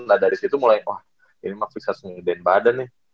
nah dari situ mulai wah ini mah fix harus ngedein badan ya